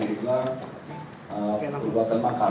miripnya perubatan makam